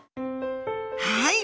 はい！